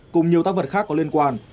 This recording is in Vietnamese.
cùng nhiều tác vật khác có liên quan